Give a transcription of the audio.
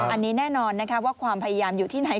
อันนี้แน่นอนนะคะว่าความพยายามอยู่ที่ไหน